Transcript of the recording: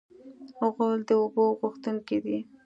غول د اوبو غوښتونکی دی.